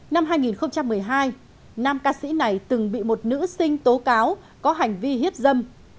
năm hai nghìn một mươi hai nam ca sĩ này từng bị một nữ sinh tố cáo có hành vi hiếp dâm